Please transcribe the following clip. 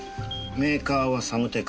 メーカーはサムテカ。